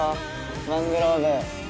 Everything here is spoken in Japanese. マングローブ。